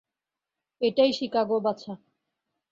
এটাই শিকাগো, বাছা।